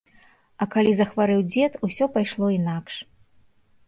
А калі захварэў дзед, усё пайшло інакш.